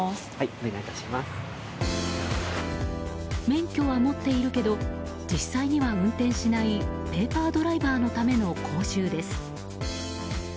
免許は持っているけど実際には運転しないペーパードライバーのための講習です。